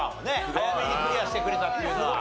早めにクリアしてくれたっていうのは。